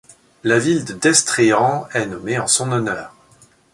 La ville de Destréhan est nommée en son honneur.